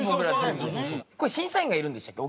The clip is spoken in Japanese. これ審査員がいるんでしたっけ？